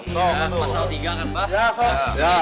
sok masal tiga kan mbah